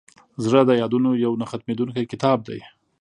زړه د یادونو یو نه ختمېدونکی کتاب دی.